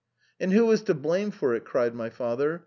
" And who is to blame?" cried my father.